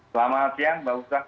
selamat siang mbak ustaz